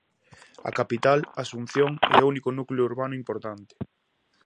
A capital, Asunción, é o único núcleo urbano importante.